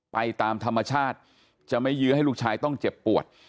ไปตามธรรมชาติจะไม่ยื้อให้ลูกชายต้องเจ็บปวด